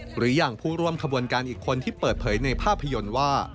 หรืออย่างผู้ร่วมขบวนการอีกคนที่เปิดเผยในภาพยนตร์ว่า